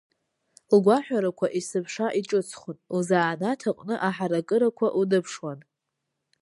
Лгәаҳәарақәа есымша иҿыцхон, лзаанаҭ аҟны аҳаракырақәа лныԥшуан.